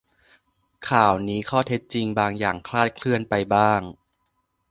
ข่าวนี้ข้อเท็จจริงบางอย่างคลาดเคลื่อนไปบ้าง